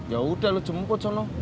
yaudah lo jemput sono